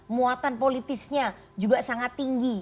muatan politisnya juga sangat tinggi